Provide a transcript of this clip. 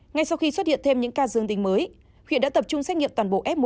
ngay sau khi xuất hiện thêm những ca dương tính mới huyện đã tập trung xét nghiệm toàn bộ f một